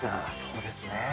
そうですね。